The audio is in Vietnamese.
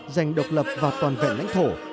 giành độc lập và toàn vẹn lãnh thổ